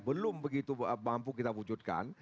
belum begitu mampu kita wujudkan